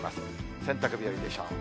洗濯日和でしょう。